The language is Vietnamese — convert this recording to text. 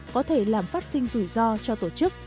có thể làm phát sinh rủi ro cho tổ chức